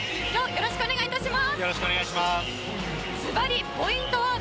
よろしくお願いします。